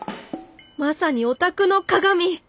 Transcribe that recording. まさにオタクのかがみ！